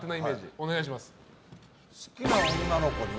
お願いします。